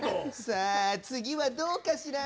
さあつぎはどうかしら？